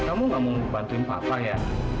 kamu gak mau ngebantuin papa ya